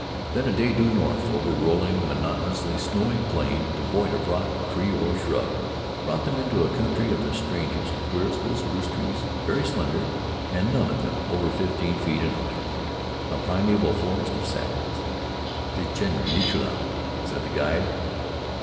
Then a day due north, over rolling, monotonously snowy plain; devoid of rock, tree or shrub, brought them into a country of the strangest, queerest little spruce trees, very slender, and none of them over fifteen feet in height. A primeval forest of saplings. "Ditchen Nechila," said the guide.